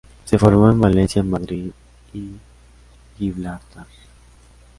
Se formó en Valencia, Madrid y Gibraltar.